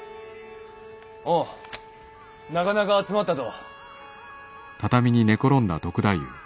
おうなかなか集まったど。